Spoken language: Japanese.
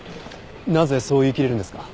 なぜそう言いきれるんですか？